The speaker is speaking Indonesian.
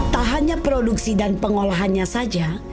tak hanya produksi dan pengolahannya saja